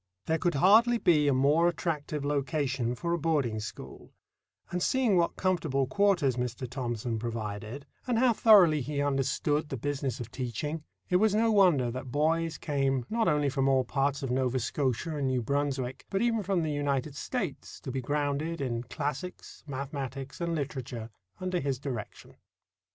There could hardly be a more attractive location for a boarding school; and seeing what comfortable quarters Mr. Thomson provided, and how thoroughly he understood the business of teaching, it was no wonder that boys came not only from all parts of Nova Scotia and New Brunswick, but even from the United States, to be grounded in classics, mathematics, and literature under his direction.